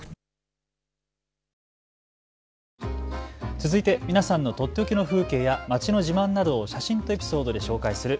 続いて皆さんのとっておきの風景や街の自慢などを写真とエピソードで紹介する＃